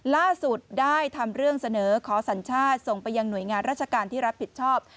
ล่าสุดได้ทำเรื่องเสนอขอสัญชาติส่งไปยังหน่วยงานราชการที่รับผิดชอบ